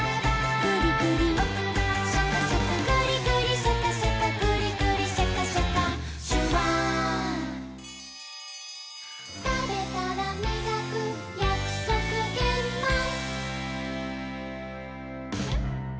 「グリグリシャカシャカグリグリシャカシャカ」「シュワー」「たべたらみがくやくそくげんまん」